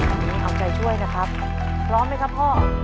วันนี้เอาใจช่วยนะครับพร้อมไหมครับพ่อ